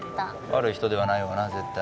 悪い人ではないわな絶対。